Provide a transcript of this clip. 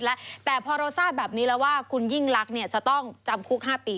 แล้วแต่พอเราทราบแบบนี้แล้วว่าคุณยิ่งลักษณ์จะต้องจำคุก๕ปี